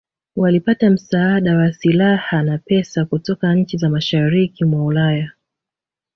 Walipata msaada wa silaha na pesa kutoka nchi za mashariki mwa Ulaya